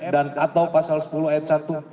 dan atau pasal sepuluh ayat satu